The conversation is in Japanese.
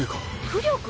浮力？